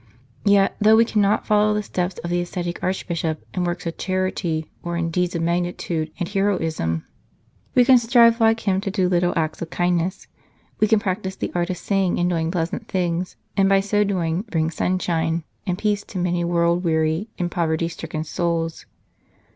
Yet, though we cannot follow the steps of the ascetic Archbishop in works of chanty or in deeds of magnitude and heroism, we can strive like him to do little acts of kindness, we can practise the art of saying and doing pleasant things, and by so doing bring sunshine 223 St. Charles Borromeo and peace to many world weary and poverty stricken souls.